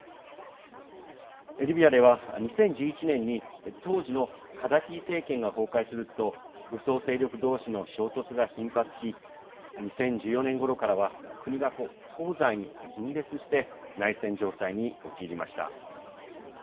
リビアでは２０１１年に当時のカダフィ政権が崩壊すると武装勢力同士の衝突が頻発し２０１４年ごろからは国が東西に分裂して内戦状態に陥りました。